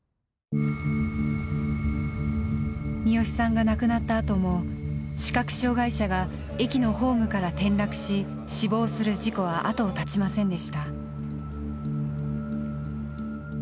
視良さんが亡くなったあとも視覚障害者が駅のホームから転落し死亡する事故は後を絶ちませんでした。